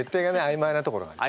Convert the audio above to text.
あいまいなところがね。